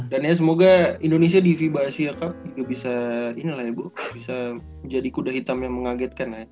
dan ya semoga indonesia di fiba asia cup bisa jadi kuda hitam yang mengagetkan ya